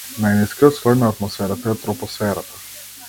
Најнискиот слој на атмосферата е тропосферата.